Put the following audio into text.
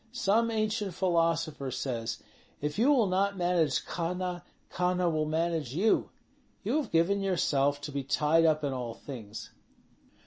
Some ancient philosopher says, 'If you will not manage Kahna, Kahna will manage you.' You have given yourself to be tied up in all things."